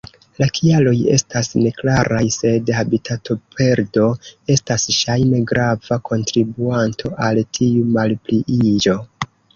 La kialoj estas neklaraj, sed habitatoperdo estas ŝajne grava kontribuanto al tiu malpliiĝo.